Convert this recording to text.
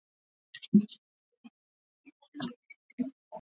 na hapa ninapoegea na wewe niko kabiru na ile kabisa ya zambia